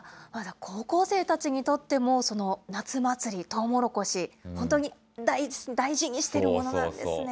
高校生たちにとっても、夏祭り、トウモロコシ、本当に大事にしてるものなんですね。